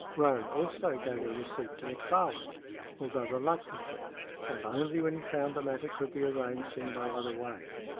Roane also gave a receipt to McFarland, although reluctantly, and only when he found the matter could be arranged in no other way.